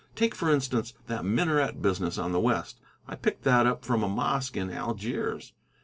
Take, for instance, that minaret business on the west; I picked that up from a mosque in Algiers.